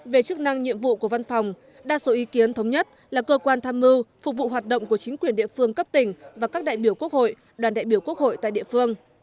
về chức năng nhiệm vụ của văn phòng đa số ý kiến thống nhất là cơ quan tham mưu phục vụ hoạt động của chính quyền địa phương cấp tỉnh và các đại biểu quốc hội đoàn đại biểu quốc hội tại địa phương